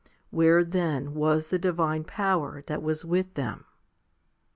2 Where then was the divine power that was with them